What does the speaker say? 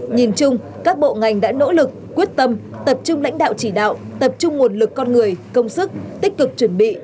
nhìn chung các bộ ngành đã nỗ lực quyết tâm tập trung lãnh đạo chỉ đạo tập trung nguồn lực con người công sức tích cực chuẩn bị